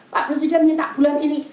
pak presiden minta bulan ini